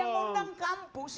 yang undang kampus